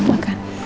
mau pake nasi